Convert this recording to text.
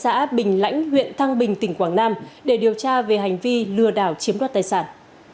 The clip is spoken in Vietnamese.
xã bình lãnh huyện thăng bình tỉnh quảng nam để điều tra về hành vi lừa đảo chiếm đoạt tài sản